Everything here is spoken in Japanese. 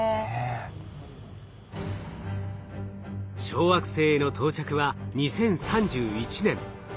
小惑星への到着は２０３１年。